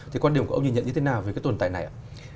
thì quan điểm của ông nhìn nhận như thế nào về cái tồn tại này ạ